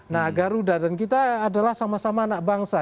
nah garuda dan kita adalah sama sama anak bangsa